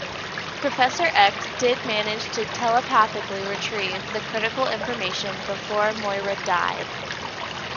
Professor X did manage to telepathically retrieve the critical information before Moira died.